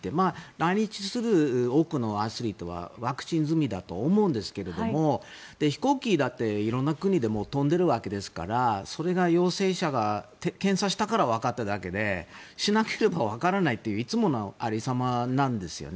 来日する多くのアスリートはワクチン済みだと思うんですが飛行機だって色んな国でも飛んでいるわけですからそれが陽性者が検査したからわかっただけでしなければわからないといういつもの有り様なんですよね。